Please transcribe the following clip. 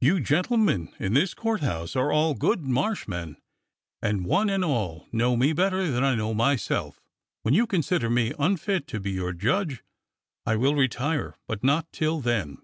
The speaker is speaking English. You gentlemen in this Court House are all good Marsh 90 DOCTOR SYN men, and one and all know me better than I know myself. When you consider me unfit to be your judge I will retire, but not till then.'